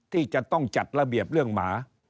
ที่จะต้องจัดระเบียบเรื่องหมา